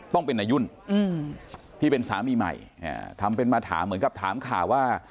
ต้องเป็นนายุ่นที่เป็นสามีใหม่ทำเป็นมาถามเหมือนกับถามข่าวว่า